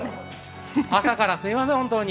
朝からすみません、本当に。